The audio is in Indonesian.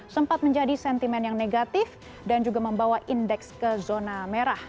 sempat menjadi sentimen yang negatif dan juga membawa indeks ke zona merah